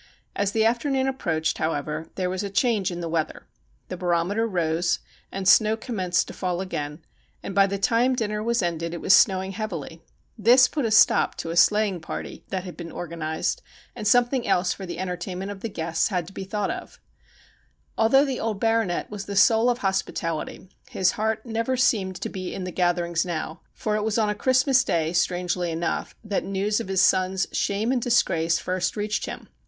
As the afternoon approached, however, there was a change in the weather. The barometer rose, and snow com menced to fall again, and by the time dinner was ended it was snowing heavily. This put a stop to a sleighing party THE UNBIDDEN GUEST 109 that had been organised, and something else for the enter tainment of the guests had to be thought of. Although the old Baronet was the soul of hospitality, his heart never seemed to be in the gatherings now, for it was on a Christmas day, strangely enough, that news of his son's shame and disgrace first reached him.